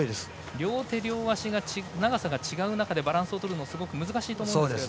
両手両足の長さが違う中バランスをとるのは大変かと思います。